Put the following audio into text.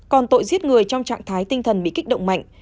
còn tội giết người trong trạng thái tinh thần bị kích động mạnh